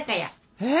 えっ？